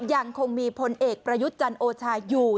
อย่างคงมีพลเอกประยุทธ์จันนรณาโชมงศาอยู่